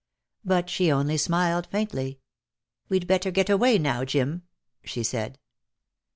But she only smiled faintly. "We'd better get away now, Jim," she said.